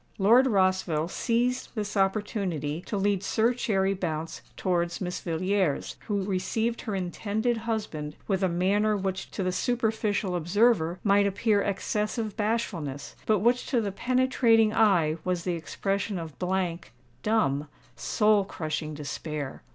Lord Rossville seized this opportunity to lead Sir Cherry Bounce towards Miss Villiers, who received her intended husband with a manner which to the superficial observer might appear excessive bashfulness, but which to the penetrating eye was the expression of blank—dumb—soul crushing despair.